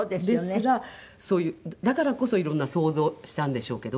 だからこそ色んな想像をしたんでしょうけど。